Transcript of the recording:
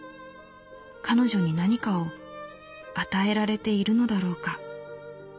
彼女に何かを与えられているのだろうか」。